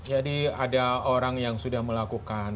jadi ada orang yang sudah melakukan